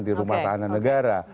di rumah tahanan negara